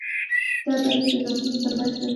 دا بهیر د نسلونو تر منځ تکراریږي.